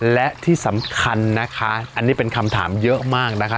และที่สำคัญนะคะอันนี้เป็นคำถามเยอะมากนะคะ